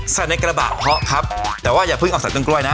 ใส่ในกระบะเพราะครับแต่ว่าอย่าเพิ่งเอาใส่ต้นกล้วยนะ